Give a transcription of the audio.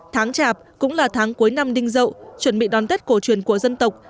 tháng chạp cũng là tháng cuối năm đinh dậu chuẩn bị đón tết cổ truyền của dân tộc